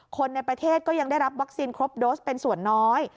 คนในประเทศก็ยังได้รับวัคซีนครบโดสเป็นส่วนน้อย